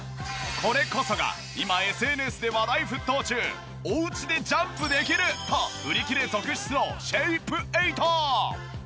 これこそが今ＳＮＳで話題沸騰中おうちでジャンプできると売り切れ続出のシェイプエイト！